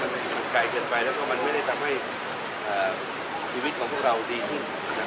มันไกลเกินไปแล้วก็มันไม่ได้ทำให้ชีวิตของพวกเราดีขึ้น